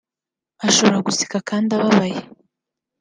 Ashobora guseka kandi ababaye